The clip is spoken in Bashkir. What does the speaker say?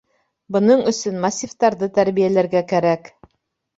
Бының өсөн массивтарҙы тәрбиәләргә кәрәк.